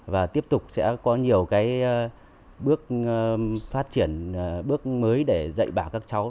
và tiếp tục sẽ có nhiều bước phát triển bước mới để dạy bảo các cháu